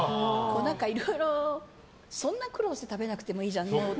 いろいろ、そんな苦労して食べなくてもいいじゃん。